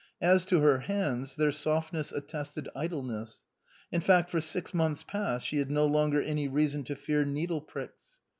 As to her hands, their softness attested idleness. In fact, for six months past she had no longer any reason to fear needle pricks.